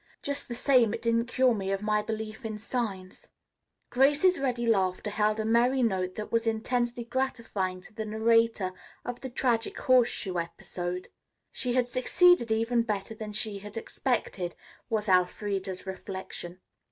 Just the same it didn't cure me of my belief in signs." Grace's ready laughter held a merry note that was intensely gratifying to the narrator of the tragic horseshoe episode. She had succeeded even better than she had expected, was Elfreda's reflection.